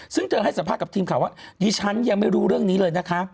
ซึ่งเธอให้สัมภาษณ์กับทีมข่าวว่าดิฉันยังไม่รู้เรื่องนี้เลยนะคะ